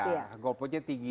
ya goal putnya tinggi